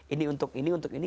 ini untuk ini untuk ini